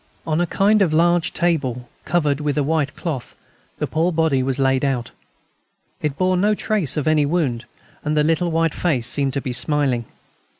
On a kind of large table, covered with a white cloth, the poor body was laid out. It bore no trace of any wound, and the little white face seemed to be smiling.